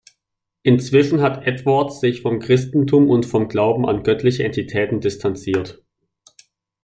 Inzwischen hat Edwards sich vom Christentum und vom Glauben an göttliche Entitäten distanziert.